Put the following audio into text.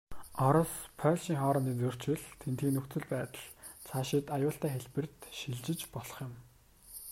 Орос, Польшийн хоорондын зөрчил, тэндхийн нөхцөл байдал, цаашид аюултай хэлбэрт шилжиж болох юм.